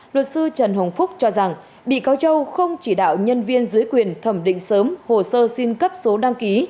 luật sư trần hồng phúc cho rằng bị cáo châu không chỉ đạo nhân viên dưới quyền thẩm định sớm hồ sơ xin cấp số đăng ký